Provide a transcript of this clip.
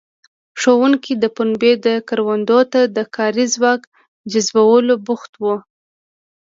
ښوونکي د پنبې کروندو ته د کاري ځواک جذبولو بوخت وو.